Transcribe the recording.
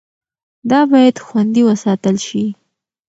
دا باید خوندي وساتل شي.